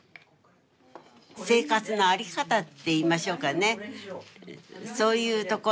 生活の在り方っていいましょうかねそういうところに一番惹かれますよね